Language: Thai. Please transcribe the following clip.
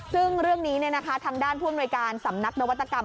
ซึ่งเรื่องนี้ทางด้านผู้อำนวยการสำนักนวัตกรรม